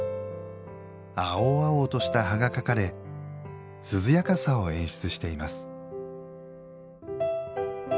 青々とした葉が描かれ涼やかさを演出しています。